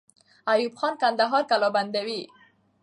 ایوب خان کندهار قلابندوي.